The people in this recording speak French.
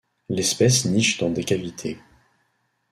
L'espèce niche dans des cavités.